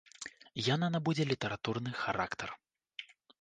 Яна набудзе літаратурны характар.